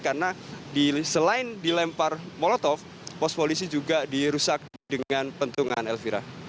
karena selain dilempar molotov pos polisi juga dirusak dengan pentungan elvira